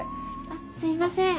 あっすいません。